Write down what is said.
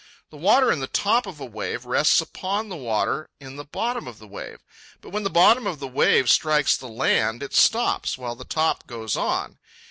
The water in the top of a wave rests upon the water in the bottom of the wave. But when the bottom of the wave strikes the land, it stops, while the top goes on.